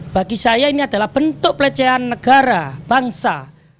bagi saya ini adalah bentuk pelecehan negara bangsa